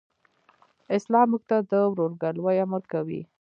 اسلام موږ ته د ورورګلوئ امر کوي.